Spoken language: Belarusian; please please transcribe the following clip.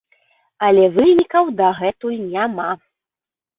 Але вынікаў дагэтуль няма.